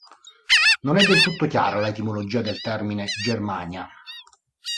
Non è del tutto chiara la etimologia del termine "Germania".